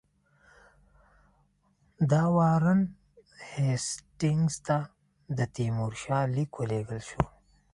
د وارن هېسټینګز ته د تیمورشاه لیک ولېږل شو.